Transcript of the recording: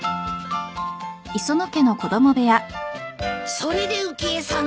それで浮江さんと？